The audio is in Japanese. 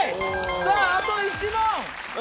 さぁあと１問。